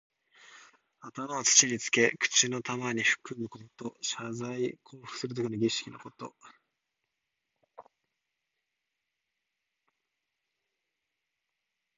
頭を土につけ、口に玉をふくむこと。謝罪降伏するときの儀式のこと。